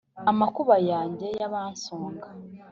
amakuba yanjye y’abansonga